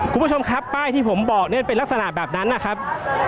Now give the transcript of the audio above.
คุณผู้ชมครับป้ายที่ผมบอกเนี่ยเป็นลักษณะแบบนั้นนะครับ